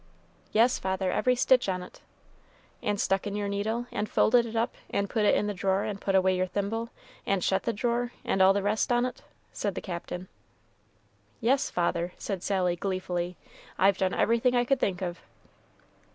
"Yes, father, every stitch on't." "And stuck in your needle, and folded it up, and put it in the drawer, and put away your thimble, and shet the drawer, and all the rest on't?" said the Captain. "Yes, father," said Sally, gleefully, "I've done everything I could think of."